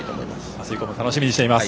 明日以降も楽しみにしています。